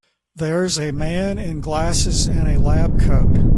There s a man in glasses and a lab coat